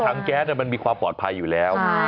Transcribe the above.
แก๊สมันมีความปลอดภัยอยู่แล้ว